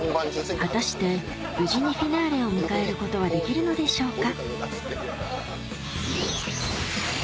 果たして無事にフィナーレを迎えることはできるのでしょうか？